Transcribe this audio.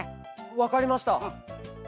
わかりました。